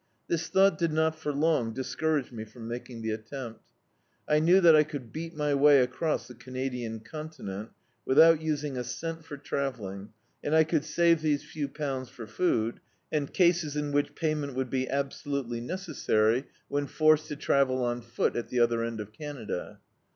This thought did not for long discourage me from making the attempt. I knew that I could beat my way across the Canadian continent, without using a cent for travelling, and I could save these few pounds for food, and cases in which payment would be absolutely necessary, DictzedbvGoOJ^IC Off Again when forced to travel on foot, at the other end of Canada.